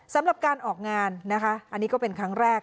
สำหรับการออกงานนะคะอันนี้ก็เป็นครั้งแรก